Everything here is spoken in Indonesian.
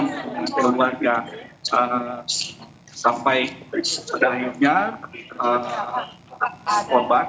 kemudian keluarga sampai pada akhirnya korban